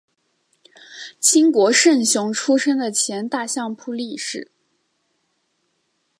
清国胜雄出身的前大相扑力士。